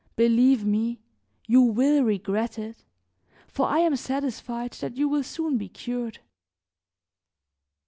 Believe me, you will regret it, for I am satisfied that you will soon be cured."